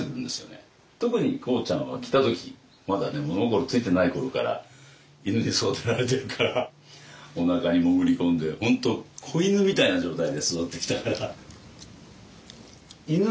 特にコウちゃんは来た時まだね物心ついてない頃から犬に育てられてるからおなかに潜り込んで本当子犬みたいな状態で育ってきたから。